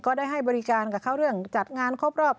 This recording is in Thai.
ได้ให้บริการกับเขาเรื่องจัดงานครบรอบ